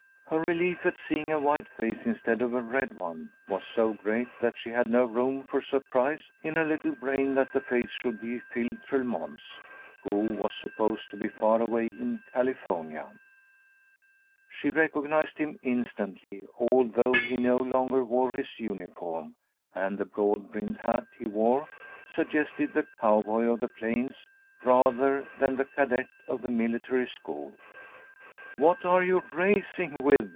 Her relief at seeing a white face instead of a red one was so great that she had no room for surprise in her little brain that the face should be Phil Tremont's, who was supposed to be far away in California. She recognized him instantly, although he no longer wore his uniform, and the broad brimmed hat he wore suggested the cowboy of the plains rather than the cadet of the military school. "What are you racing with?"